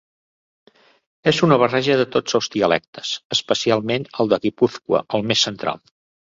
És una barreja de tots els dialectes, especialment el de Guipúscoa, el més central.